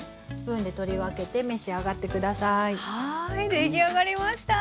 出来上がりました。